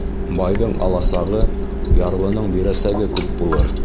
Байҙың аласағы, ярлының бирәсәге күп булыр.